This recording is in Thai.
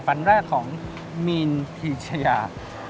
ฝันแรกของมีนพีชยา